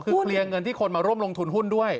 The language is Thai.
คือเคลียร์เงินที่คนมาร่วมลงทุนหุ้นด้วย